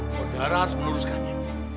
saudara harus meluruskannya